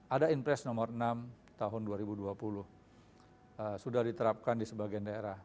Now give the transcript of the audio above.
ada inpres nomor enam tahun dua ribu dua puluh sudah diterapkan di sebagian daerah